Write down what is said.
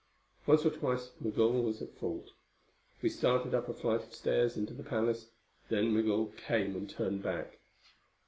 Once or twice Migul was at fault. We started up a flight of stairs into the palace, then Migul came and turned back.